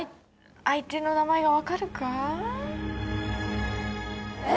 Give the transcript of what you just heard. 相手の名前が分かるか？